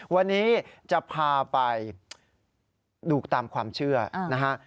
วันนี้จะพาไปดูตามความเชื่อนะฮะ